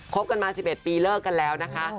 บกันมา๑๑ปีเลิกกันแล้วนะคะ